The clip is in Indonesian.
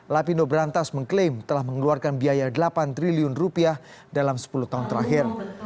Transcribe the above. lapindo berantas mengklaim telah mengeluarkan biaya delapan triliun rupiah dalam sepuluh tahun terakhir